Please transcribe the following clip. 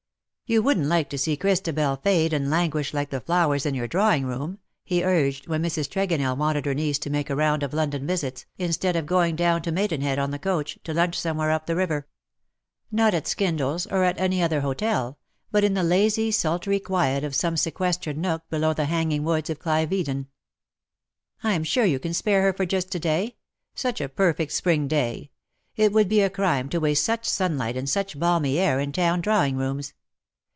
" You wouldn^t like to see Christabel fade and languish like the flowers in your drawing room,^^ he urged, when Mrs. Tregonell wanted her niece to IN SOCIETY. 150' make a round of London visits,, instead of going down to Maidenhead on the coach^ to hmch some where up the river. Not at Skindle^s — or at any other hotel — but in the lazy sultry quiet of some se questered nook below the hanging woods of Clieveden. " Fm sure you can spare her just for to day — such a perfect spring day. It would be a crime to waste such sunlight and such balmy air in town drawing rooms.